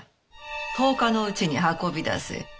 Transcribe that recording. １０日のうちに運び出せ。